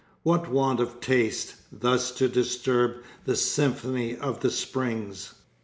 What want of taste, thus to disturb the symphony of the springs.